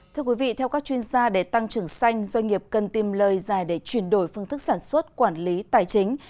thưa quý vị theo các chuyên gia để tăng trưởng xanh doanh nghiệp cần tìm lời dài để chuyển đổi phương thức sản xuất quản lý tài chính